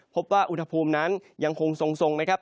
พบว่าอุณหภูมินั้นยังคงทรงนะครับ